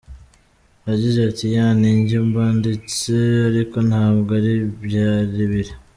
Yagize ati “Yaaa ninjye banditse ariko ntabwo ariko byari biri.